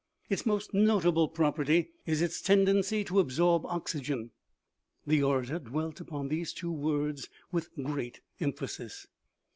" Its most notable property is its tendency to absorb oxygen. (The orator dwelt upon these two words with great emphasis.)